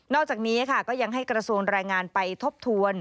อกจากนี้ค่ะก็ยังให้กระทรวงแรงงานไปทบทวน